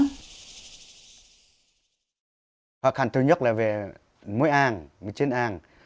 khó khăn thứ nhất là về muối an miếng chín an